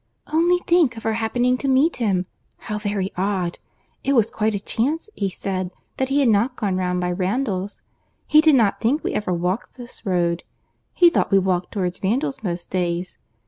"Only think of our happening to meet him!—How very odd! It was quite a chance, he said, that he had not gone round by Randalls. He did not think we ever walked this road. He thought we walked towards Randalls most days.